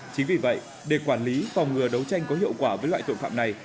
chính vì vậy để quản lý phòng ngừa đấu tranh có hiệu quả với loại tội phạm này